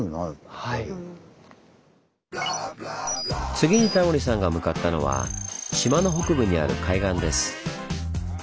次にタモリさんが向かったのは島の北部にある海岸です。